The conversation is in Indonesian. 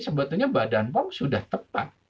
sebetulnya badan pom sudah tepat